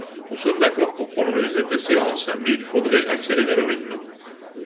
Nous sommes d’accord pour prolonger cette séance, mais il faudrait accélérer le rythme.